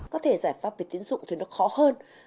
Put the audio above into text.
có thể giải pháp về tiến dụng thì nó khó hơn